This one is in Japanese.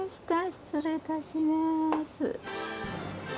失礼いたします。